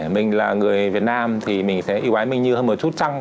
mình là người việt nam thì mình sẽ yêu ái minh như hơn một chút trăng